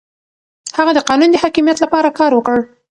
هغه د قانون د حاکميت لپاره کار وکړ.